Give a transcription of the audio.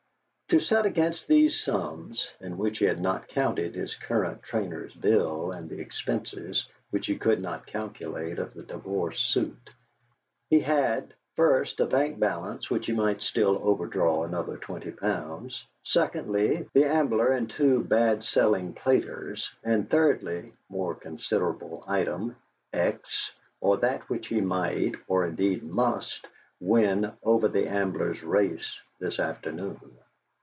To set against these sums (in which he had not counted his current trainer's bill, and the expenses, which he could not calculate, of the divorce suit), he had, first, a bank balance which he might still overdraw another twenty pounds; secondly, the Ambler and two bad selling platers; and thirdly (more considerable item), X, or that which he might, or indeed must, win over the Ambler's race this afternoon.